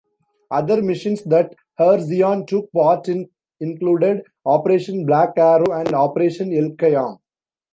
Other missions that Har-Zion took part in included Operation Black Arrow and Operation Elkayam.